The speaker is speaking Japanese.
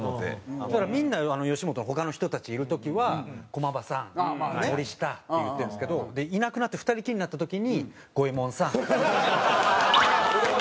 そしたらみんな吉本の他の人たちいる時は「駒場さん」「森下」って言ってるんですけどいなくなって２人きりになった時に「五衛門さん」「二刀流」って。